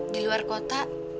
di luar kota